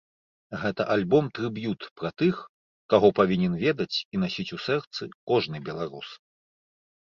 Гэта альбом-трыб'ют пра тых, каго павінен ведаць і насіць у сэрцы кожны беларус.